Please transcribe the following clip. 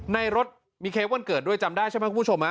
ในรถมีเค้กวันเกิดด้วยจำได้ใช่ไหมคุณผู้ชม